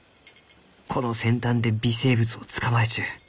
この先端で微生物を捕まえちゅう。